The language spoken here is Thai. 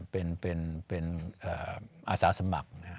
เป็นอาสาสมัคร